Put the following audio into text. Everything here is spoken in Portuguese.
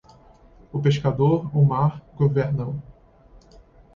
O pescador, o mar, governa-o.